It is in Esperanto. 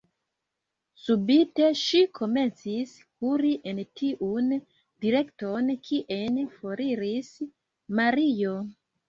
Subite ŝi komencis kuri en tiun direkton, kien foriris Mario.